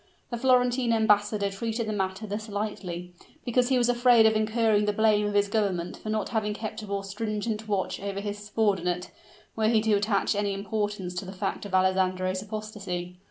The Florentine Embassador treated the matter thus lightly, because he was afraid of incurring the blame of his government for not having kept a more stringent watch over his subordinate, were he to attach any importance to the fact of Alessandro's apostasy.